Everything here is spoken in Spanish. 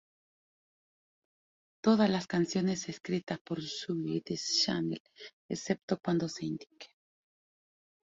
Todas las canciones escritas por Zooey Deschanel, excepto cuando se indique.